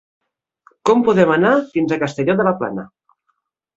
Com podem anar fins a Castelló de la Plana?